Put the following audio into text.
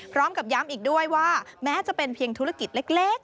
พร้อมกับย้ำอีกด้วยว่าแม้จะเป็นเพียงธุรกิจเล็ก